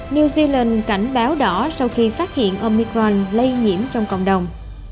new zealand cảnh báo đỏ sau khi phát hiện omicron lây nhiễm trong cộng đồng